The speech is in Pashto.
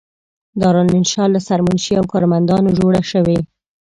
دارالانشأ له سرمنشي او کارمندانو جوړه شوې.